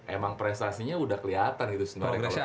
emang prestasinya udah keliatan gitu sebenernya kalo kita mau